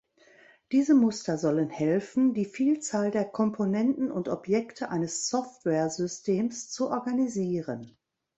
Diese Muster sollen helfen, die Vielzahl der Komponenten und Objekte eines Softwaresystems zu organisieren.